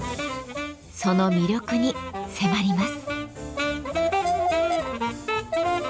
その魅力に迫ります。